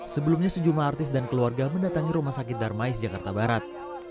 sebelumnya sejumlah artis dan keluarga mendatangi rumah sakit darmais jakarta barat